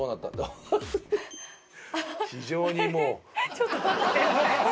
ちょっと待って。